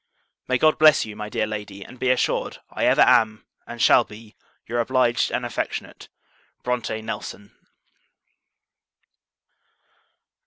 May God bless you, my dear Lady; and be assured, I ever am, and shall be, your obliged and affectionate BRONTE NELSON.